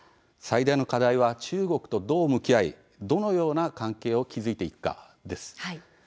最大の課題は中国とどう向き合いどのような関係を築いていくかという点です。